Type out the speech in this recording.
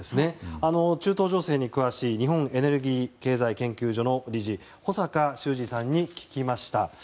中東情勢に詳しい日本エネルギー経済研究所の理事保坂修司さんに聞きました。